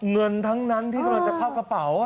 เงินทั้งนั้นที่กำลังจะเข้ากระเป๋า